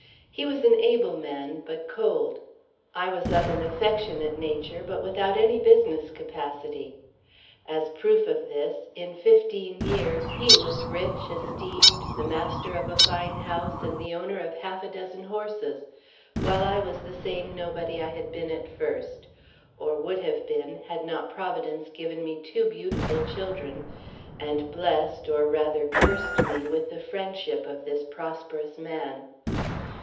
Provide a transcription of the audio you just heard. He was an able man, but cold. I was of an affectionate nature, but without any business capacity. As proof of this, in fifteen years he was rich, esteemed, the master of a fine house, and the owner of half a dozen horses; while I was the same nobody I had been at first, or would have been had not Providence given me two beautiful children and blessed, or rather cursed, me with the friendship of this prosperous man.